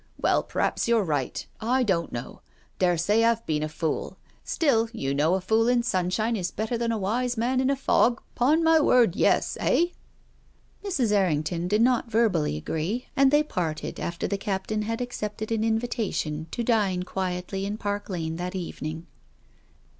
"Well, perhaps, you're right ; I don't know. Daresay I've been a fool. Still, you know a fool in sun shine is better than a wise man in a fog ; 'pon my word, yes, ch ?" 350 TONGUES OF CONSCIENCE. Mrs. Errington did not verbally agree, and they parted after the Captain had accepted an invita tion to dine quietly in Park Lane that evening.